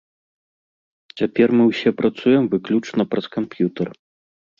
Цяпер мы ўсе працуем выключна праз камп'ютар.